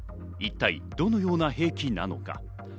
一体どのような兵器なのか？